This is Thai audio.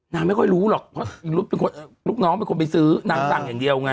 นางไม่ค่อยรู้หรอกเพราะลูกน้องเป็นคนไปซื้อนางสั่งอย่างเดียวไง